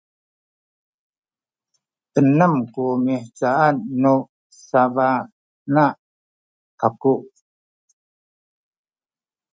enem ku mihcaan nu sabana aku